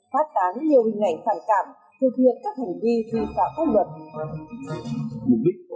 phát tán nhiều hình ảnh phản cảm thực hiện các hành vi vi phạm pháp luật